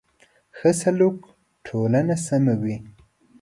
ښه سلوک ټولنه سموي.